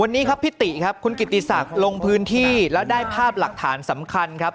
วันนี้ครับพี่ติครับคุณกิติศักดิ์ลงพื้นที่แล้วได้ภาพหลักฐานสำคัญครับ